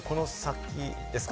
この先ですかね。